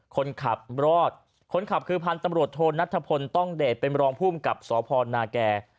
คนขับรอดคนขับคือพันธุ์ตำรวจโทนัทพลต้องเดชเป็นรองภูมิกับสพนาแก่